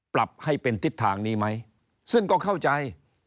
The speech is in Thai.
ปรับให้เป็นทิศทางนี้ไหมซึ่งก็เข้าใจ